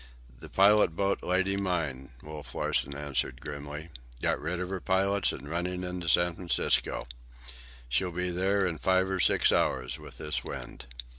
"The pilot boat Lady Mine," Wolf Larsen answered grimly. "Got rid of her pilots and running into San Francisco. She'll be there in five or six hours with this wind."